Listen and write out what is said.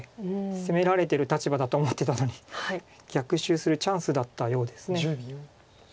攻められてる立場だと思ってたのに逆襲するチャンスだったようです。